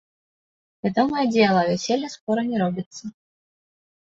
Вядомае дзела, вяселле скора не робіцца.